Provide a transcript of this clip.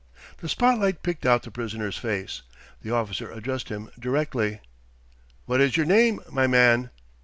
The spot light picked out the prisoner's face. The officer addressed him directly. "What is your name, my man?"